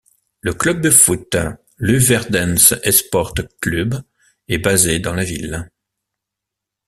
Le club de football Luverdense Esporte Clube est basé dans la ville.